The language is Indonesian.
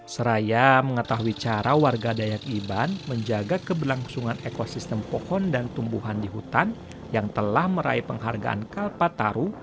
seraya mengetahui cara warga dayak iban menjaga keberlangsungan ekosistem pohon dan tumbuhan di hutan yang telah meraih penghargaan kalpataru